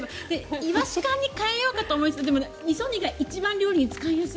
イワシ缶に変えようかと思いつつでも、みそ煮が一番料理に使いやすい。